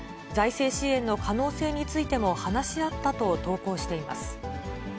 財政支援の可能性についても話し合ったと投稿しています。